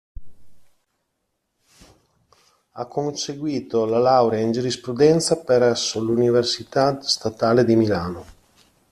Ha conseguito la laurea in giurisprudenza presso l'Università Statale di Milano.